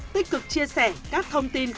tích cực chia sẻ các thông tin kết quả